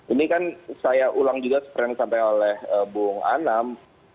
ini kan saya ulang juga seperti yang disampaikan oleh bung anam